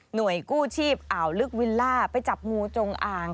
กู้ชีพอ่าวลึกวิลล่าไปจับงูจงอ่าง